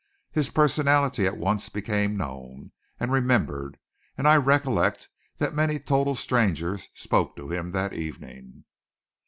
His personality at once became known, and remembered; and I recollect that many total strangers spoke to him that evening.